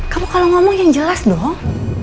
kamu kalau ngomong yang jelas dong